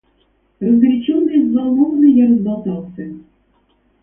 Разгоряченный и взволнованный, я разболтался.